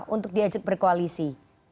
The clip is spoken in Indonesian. untuk diajak berkoalisi